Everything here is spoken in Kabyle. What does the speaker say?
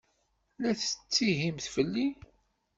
La tettihimt fell-i?